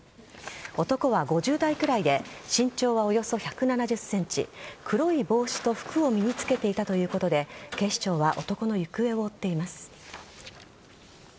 男は５０代くらいで身長はおよそ１７０ｃｍ黒い帽子と服を身に着けていたということで警視庁は男の行方を追っています。